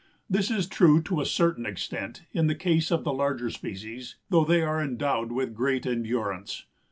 This is true, to a certain extent, in the case of the larger species, though they are endowed with great endurance.